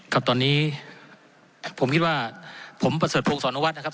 ครับตอนนี้ผมคิดว่าผมประเสริฐพงศรวัตรนะครับ